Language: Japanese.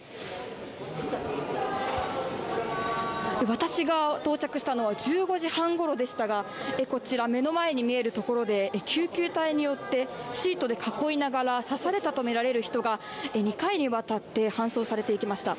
私が到着したのは１５時半ごろでしたがこちら、目の前に見えるところで救急隊によってシートで囲いながら刺されたとみられる人が２回にわたって搬送されていきました。